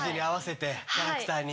キャラクターに。